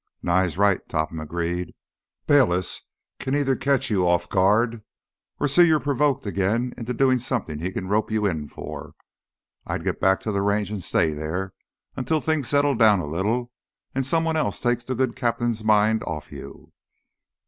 "Nye's right," Topham agreed. "Bayliss can either catch you off guard or see you're provoked again into doing something he can rope you in for. I'd get back to the Range and stay there until things settle down a little and someone else takes the good captain's mind off you."